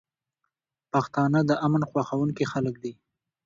پښتانه د امن خوښونکي خلک دي.